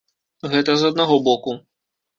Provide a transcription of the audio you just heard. Гэта з аднаго боку.